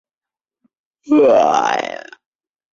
中共中央党校经济管理系毕业。